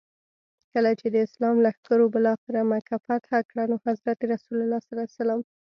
کله چي د اسلام لښکرو بالاخره مکه فتح کړه نو حضرت رسول ص.